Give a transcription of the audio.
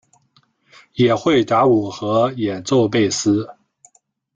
也会打鼓和演奏贝斯。